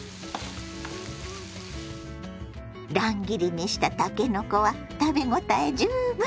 乱切りにしたたけのこは食べ応え十分。